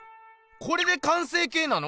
これで完成形なの？